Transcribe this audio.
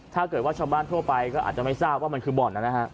ถ้าเกิดว่าชาวบ้านทั่วไปก็อาจจะไม่ทราบว่ามันคือบ่อนนะ